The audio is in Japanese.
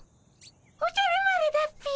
おじゃる丸だっピ。